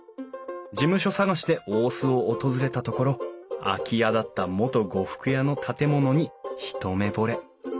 事務所探しで大須を訪れたところ空き家だった元呉服屋の建物に一目ぼれ。